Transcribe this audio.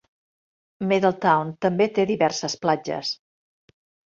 Middletown també té diverses platges.